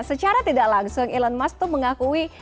secara tidak langsung elon musk itu mengakui